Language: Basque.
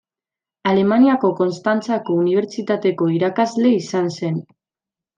Alemaniako Konstantzako Unibertsitateko irakasle izan zen.